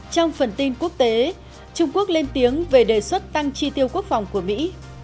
trong phần tin quốc tế trung quốc lên tiếng về đề xuất tăng tri tiêu quốc phòng của mỹ